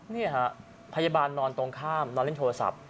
นี่ฮะพยาบาลนอนตรงข้ามนอนเล่นโทรศัพท์